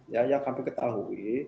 ya yang kami ketahui